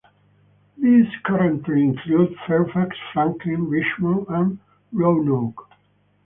These currently include Fairfax, Franklin, Richmond, and Roanoke.